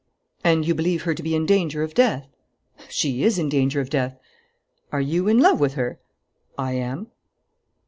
"And you believe her to be in danger of death?" "She is in danger of death." "Are you in love with her?" "I am."